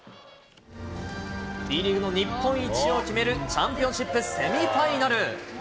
Ｂリーグの日本一を決めるチャンピオンシップセミファイナル。